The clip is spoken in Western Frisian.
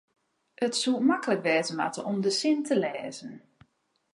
it soe maklik wêze moatte om de sin te lêzen